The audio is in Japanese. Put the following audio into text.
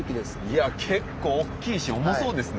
いや結構大きいし重そうですね。